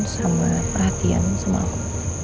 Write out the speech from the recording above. sama perhatian sama aku